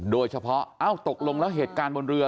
โดยเฉพาะเอ้าตกลงแล้วเหตุการณ์บนเรือ